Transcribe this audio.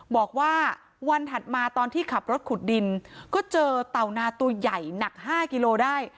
บอกว่าวันถัดมาตอนที่ขับรถขุดดินก็เจอเต่านาตัวใหญ่หนัก๕กิโลได้